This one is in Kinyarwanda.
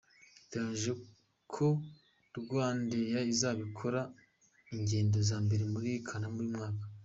Biteganijwe ko Rwandeyaizakora ingendo za mbere muri Kanama uyu mwaka.